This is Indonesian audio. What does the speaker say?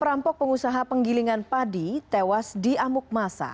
perampok pengusaha penggilingan padi tewas di amuk masa